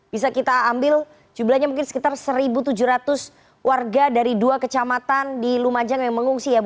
bisa kita ambil jumlahnya mungkin sekitar satu tujuh ratus warga ya